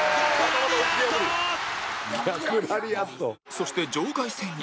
そして場外戦に